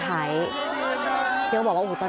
น้องพระเจริญก็ถึง